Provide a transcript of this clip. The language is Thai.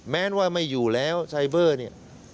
แม้ว่าไม่อยู่แล้วไซเบอร์เนี่ย